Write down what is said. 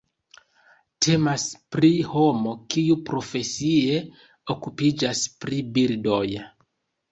Temas pri homo kiu profesie okupiĝas pri birdoj.